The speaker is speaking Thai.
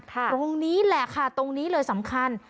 ตรงนี้แหละค่ะตรงนี้เลยสำคัญ